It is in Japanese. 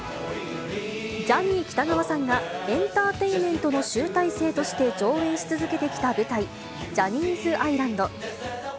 ジャニー喜多川さんがエンターテインメントの集大成として上演し続けてきた舞台、ジャニーズアイランド。